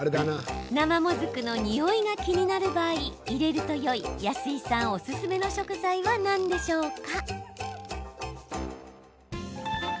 生もずくのにおいが気になる場合入れるといい安井さんおすすめの食材は何でしょうか？